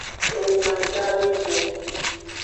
Ezan gawive.